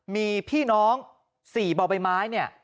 มีพี่น้อง๔บ่อใบไม้